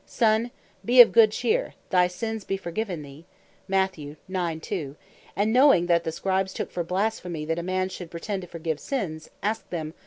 "Son be of good cheer, thy Sins be forgiven thee;" and knowing that the Scribes took for blasphemy, that a man should pretend to forgive Sins, asked them (v.